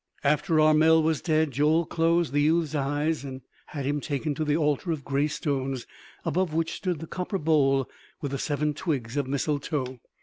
After Armel was dead, Joel closed the youth's eyes and had him taken to the altar of grey stones, above which stood the copper bowl with the seven twigs of mistletoe.